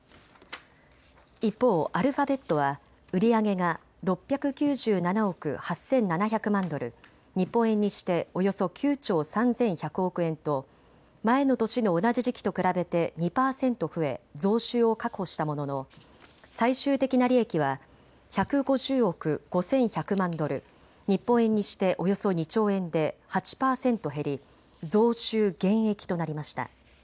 一方、アルファベットは売り上げが６９７億８７００万ドル、日本円にしておよそ９兆３１００億円と前の年の同じ時期と比べて２％増え増収を確保したものの最終的な利益は１５０億５１００万ドル、日本円にしておよそ２兆円で８％減り、増収減益となりました。